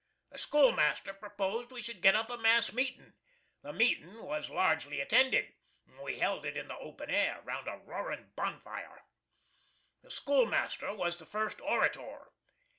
The schoolmaster proposed we should git up a mass meetin'. The meetin' was largely attended. We held it in the open air round a roarin' bonfire. The schoolmaster was the first orator.